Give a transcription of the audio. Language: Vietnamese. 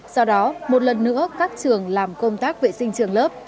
sau đó một lần nữa các trường làm công tác vệ sinh trường lớp